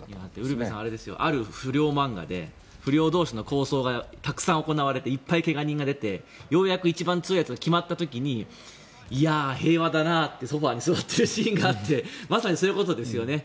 ウルヴェさんある不良漫画で不良同士の抗争がたくさん行われていっぱい怪我人が出てようやく一番強いやつが決まった時にいやあ、平和だなってソファに座っているシーンがあってまさにそういうことですよね。